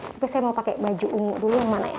tapi saya mau pakai baju ungu dulu yang mana ya